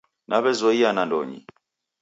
Naw'ezoiya nandonyi